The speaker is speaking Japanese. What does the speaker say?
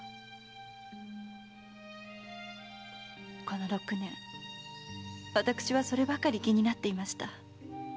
この六年私はそればかり気になっていました。